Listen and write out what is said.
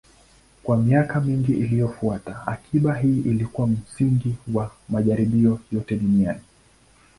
Kwa miaka mingi iliyofuata, akiba hii ilikuwa msingi wa majaribio yote duniani.